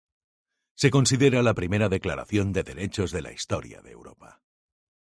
Se considera la primera declaración de derechos de la historia de Europa.